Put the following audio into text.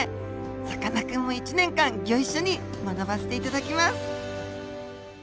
さかなクンも１年間ギョ一緒に学ばせて頂きます！